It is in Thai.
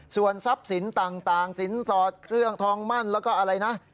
ส่วนทรัพย์สินต่างสินสอดเครื่องทองมั่นแล้วก็อะไรนะ